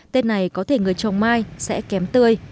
tết này có thể người trồng mai sẽ kém tươi